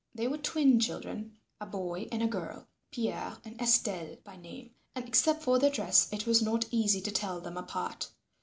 They were twin children a boy and a girl, Pierre and Estelle by name and except for their dress it was not easy to tell them apart.